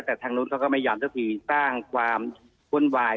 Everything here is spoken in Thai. แต่ทางนู้นเขาก็ไม่ยอมสักทีสร้างความวุ่นวาย